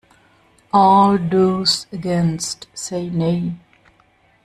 All those against, say Nay.